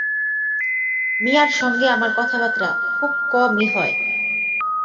মিয়ার সঙ্গে আমার কথাবার্তা খুব কমই হয়।